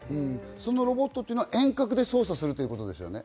そのロボットは遠隔で操作するということですよね。